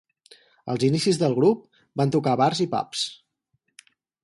Als inicis del grup, van tocar a bars i pubs.